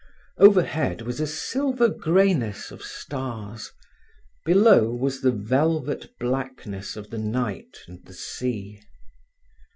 Overhead was a silver greyness of stars; below was the velvet blackness of the night and the sea.